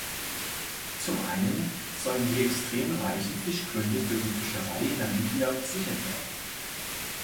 Zum einen sollen die extrem reichen Fischgründe für die Fischerei in Namibia gesichert werden.